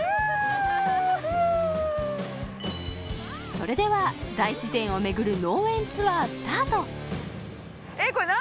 それでは大自然を巡る農園ツアースタート